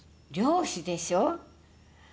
漁師でしょう？